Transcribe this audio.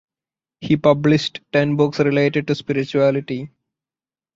He published ten books related to spirituality.